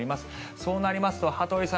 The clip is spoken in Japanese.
そうなりますと羽鳥さん